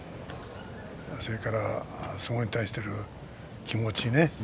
それから相撲に対する気持ちね。